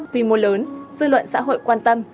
tuy mô lớn dư luận xã hội quan tâm